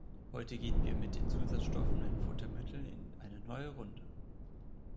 Heute gehen wir mit den Zusatzstoffen in Futtermitteln in eine neue Runde.